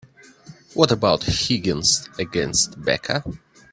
What about Higgins against Becca?